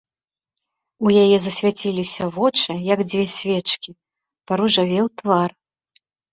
У яе засвяціліся вочы, як дзве свечкі, паружавеў твар.